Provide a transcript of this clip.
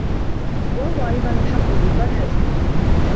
وَهُوَ أَيْضًا الْحَقُّ ضِدُّ الْهَزْلِ